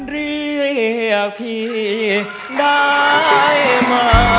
เรียกพี่ได้มา